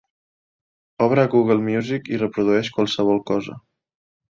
Obre Google Music i reprodueix qualsevol cosa.